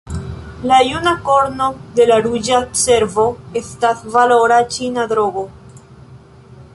La juna korno de la ruĝa cervo estas valora ĉina drogo.